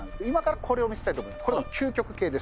今からこれを見せたいと思います。